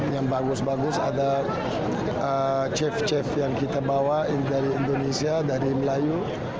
yang bagus bagus ada chef chef yang kita bawa dari indonesia dari melayu